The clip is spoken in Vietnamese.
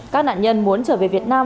các nạn nhân muốn trở về việt nam